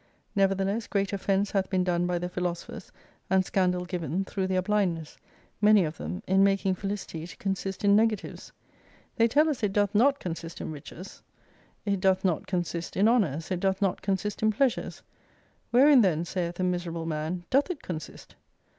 Neverthe less great offence hath been done by the philosophers and scandal given, through their blindness, many of them, in making Felicity to consist in negatives. They tell us it doth not consist in riches, it doth not consist in honors, it doth not consist in pleasures. Wherein then, saith a miserable man, doth it consist